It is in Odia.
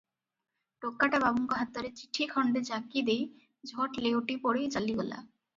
ଟୋକାଟା ବାବୁଙ୍କ ହାତରେ ଚିଠି ଖଣ୍ଡେ ଯାକି ଦେଇ ଝଟ୍ ଲେଉଟି ପଡ଼ି ଚାଲିଗଲା ।